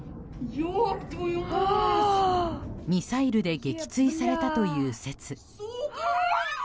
ミサイルで撃墜されたという説。